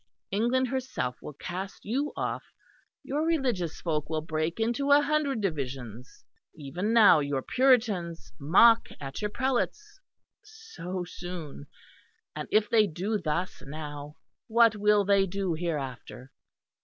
England herself will cast you off: your religious folk will break into a hundred divisions. Even now your Puritans mock at your prelates so soon! And if they do thus now, what will they do hereafter?